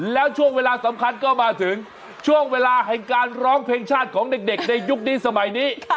แล้วช่วงเวลาสำคัญก็มาถึงช่วงเวลาแห่งการร้องเพลงชาติของเด็กในยุคนี้สมัยนี้